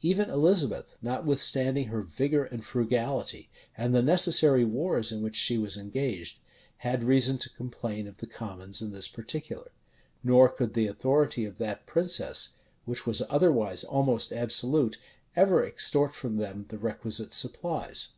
Even Elizabeth, notwithstanding her vigor and frugality, and the necessary wars in which she was engaged, had reason to complain of the commons in this particular; nor could the authority of that princess, which was otherwise almost absolute, ever extort from them the requisite supplies.